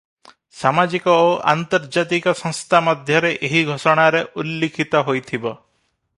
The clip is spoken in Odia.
ସାମାଜିକ ଓ ଆନ୍ତର୍ଜାତିକ ସଂସ୍ଥା ମଧ୍ୟରେ ଏହି ଘୋଷଣାରେ ଉଲ୍ଲିଖିତ ହୋଇଥିବ ।